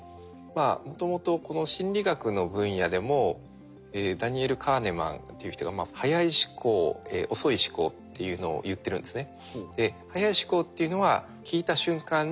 もともとこの心理学の分野でもダニエル・カーネマンっていう人が速い思考遅い思考っていうのを言ってるんですね。